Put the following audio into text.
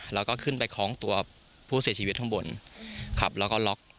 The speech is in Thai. แล้วก็ขึ้นไปคล้องตัวผู้เสียชีวิตข้างบนครับแล้วก็ล็อก